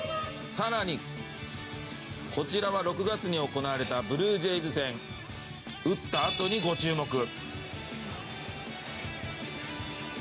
更に、こちらは６月に行われたブルージェイズ戦。打ったあとにご注目。